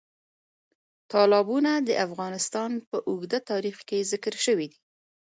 تالابونه د افغانستان په اوږده تاریخ کې ذکر شوي دي.